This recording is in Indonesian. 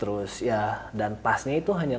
terus ya dan pasnya itu harusnya pas